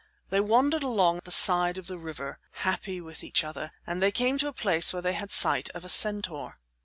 They wandered along the side of the river, happy with each other, and they came to a place where they had sight of a centaur.